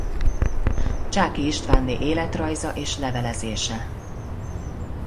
Csáky Istvánné életrajza és levelezése.